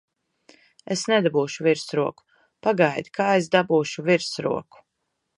Es nedabūšu virsroku! Pagaidi, kā es dabūšu virsroku!